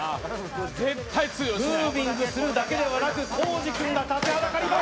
ムービングするだけではなく、コージくんが立ちはだかります。